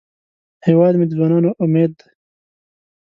هیواد مې د ځوانانو امید دی